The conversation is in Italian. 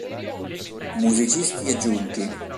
Musicisti aggiunti